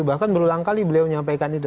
bahkan berulang kali beliau menyampaikan itu